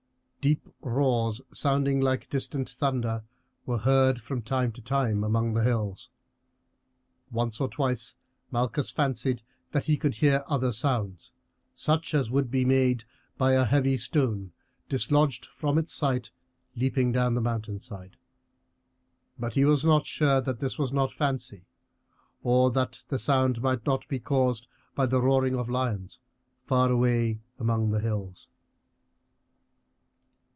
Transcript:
Deep roars, sounding like distant thunder, were heard from time to time among the hills. Once or twice Malchus fancied that he could hear other sounds such as would be made by a heavy stone dislodged from its site leaping down the mountain side; but he was not sure that this was not fancy, or that the sound might not be caused by the roaring of lions far away among the hills.